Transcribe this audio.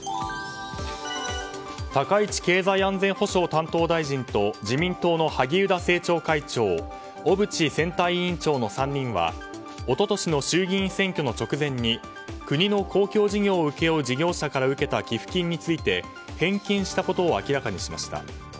高市経済安全保障担当大臣と自民党の萩生田政調会長小渕選対委員長の３人は一昨年の衆議院選挙の直前に国の公共事業を請け負う事業者から受けた寄付金について返金したことを明らかにしました。